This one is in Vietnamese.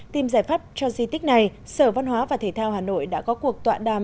tìm giải pháp cho di tích này sở văn hóa và thể thao hà nội đã có cuộc tọa đàm